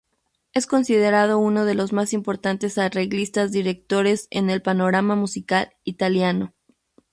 Es considerado uno de los más importantes arreglistas-directores en el panorama musical italiano.